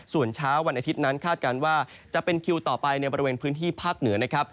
ส่วนเช้าวันอาทิตย์นั้นคาดการณ์ว่าจะเป็นคิวต่อไปในบริเวณพื้นที่ภาคเหนือนะครับ